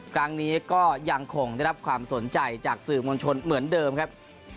ครั้งนี้ก็ยังคงได้รับความสนใจจากสื่อมวลชนเหมือนเดิมครับ